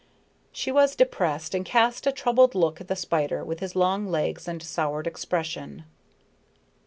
She was depressed and cast a troubled look at the spider with his long legs and soured expression.